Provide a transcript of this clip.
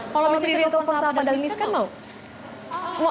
kalau misalnya diajak makan siang sama pak andah hanis kan no